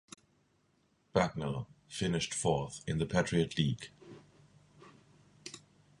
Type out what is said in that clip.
Bucknell finished fourth in the Patriot League.